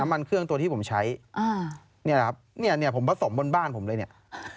น้ำมันเครื่องตัวที่ผมใช้เนี่ยผมผสมบนบ้านผมเลยเนี่ย